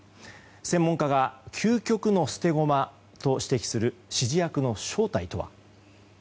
専門家が究極の捨て駒と指摘する指示役の正体とは。